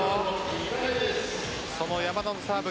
その山田のサーブ